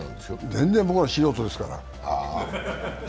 全然、僕なんか素人ですから。